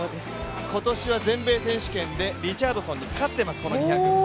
今年は全米選手権でリチャードソンに勝っています、この２００。